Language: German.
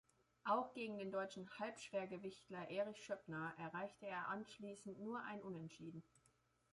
Auch gegen den deutschen Halbschwergewichtler Erich Schöppner erreichte er anschließend nur ein Unentschieden.